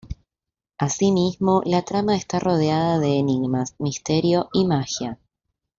Así mismo la trama está rodeada de enigmas, misterio y magia.